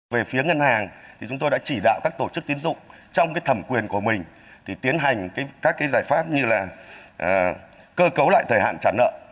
về phía ngân hàng chúng tôi đã chỉ đạo các tổ chức tiến dụng trong thẩm quyền của mình tiến hành các giải pháp như là cơ cấu lại thời hạn trả nợ